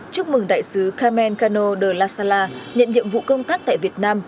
chúc mừng đại sứ carmen cano de la sala nhận nhiệm vụ công tác tại việt nam